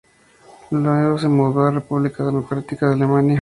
Luego se mudó a la República Democrática de Alemania.